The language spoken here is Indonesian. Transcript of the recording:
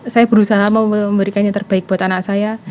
saya berusaha memberikan yang terbaik buat anak saya